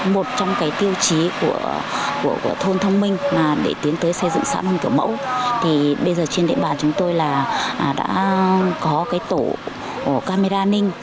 một trong tiêu chí của thôn thông minh để tiến tới xây dựng xã hội kiểu mẫu bây giờ trên đệm bàn chúng tôi đã có tổ camera an ninh